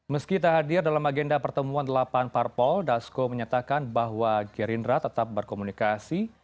meski tak hadir dalam agenda pertemuan delapan parpol dasko menyatakan bahwa gerindra tetap berkomunikasi